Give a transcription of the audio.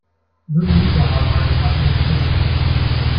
Nur die Mieter haben einen passenden Schlüssel.